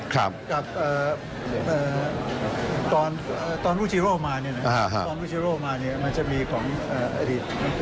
กับตอนรูจิโร่มาเนี่ยมันจะมีของอดีตรัฐนตรีการฆ่าของเกาหลี